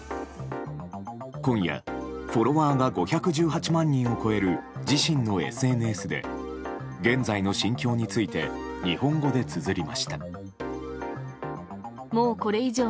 今夜、フォロワーが５１８万人を超える自身のＳＮＳで現在の心境について日本語でつづりました。